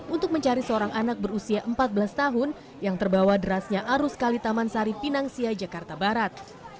untuk mencari seorang anak berusia empat belas tahun yang terbawa derasnya arus kali taman sari pinang sia jakarta barat